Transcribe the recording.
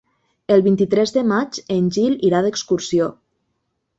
El vint-i-tres de maig en Gil irà d'excursió.